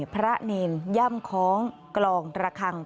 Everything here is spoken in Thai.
พระเนรย่ำคล้องกลองระคัง